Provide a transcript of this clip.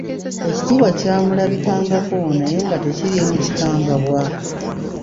Ekitiibwa kyamulabikangako, naye nga tekiriimu kikangabwa.